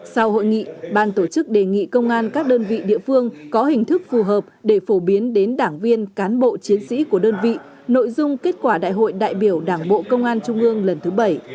sau hội nghị ban tổ chức đề nghị công an các đơn vị địa phương có hình thức phù hợp để phổ biến đến đảng viên cán bộ chiến sĩ của đơn vị nội dung kết quả đại hội đại biểu đảng bộ công an trung ương lần thứ bảy